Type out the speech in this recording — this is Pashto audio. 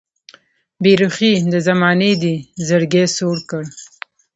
بې رخۍ د زمانې دې زړګی سوړ کړ